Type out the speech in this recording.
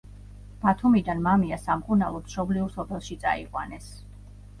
ბათუმიდან მამია სამკურნალოდ მშობლიურ სოფელში წაიყვანეს.